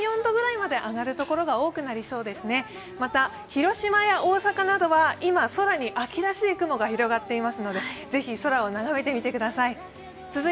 また、広島や大阪などは今、空に秋らしい雲が広がっているのでぜひ空を眺めてみてください。